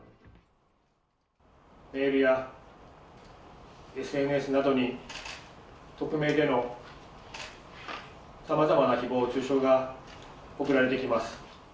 メールやＳＮＳなどに、匿名でのさまざまなひぼう中傷が送られてきます。